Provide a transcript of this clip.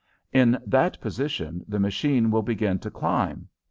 In that position the machine will begin to climb.